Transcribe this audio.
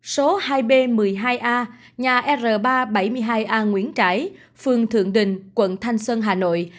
số hai b một mươi hai a nhà r ba trăm bảy mươi hai a nguyễn trãi phường thượng đình quận thanh xuân hà nội